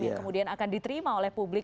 yang kemudian akan diterima oleh publik